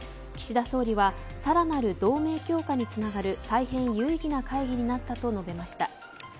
岸田総理はさらなる同盟強化につながる大変有意義な会議になったと述べました。